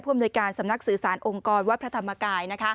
อำนวยการสำนักสื่อสารองค์กรวัดพระธรรมกาย